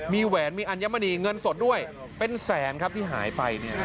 มีแหวนมีอัญมณีเงินสดด้วยเป็นแสนครับที่หายไปเนี่ย